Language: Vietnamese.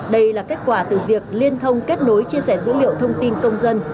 đây là kết quả từ việc liên thông kết nối chia sẻ dữ liệu thông tin công dân